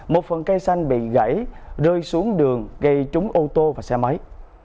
một phần cây xanh bị gãy rơi xuống đường gây trúng ô tô và xe máy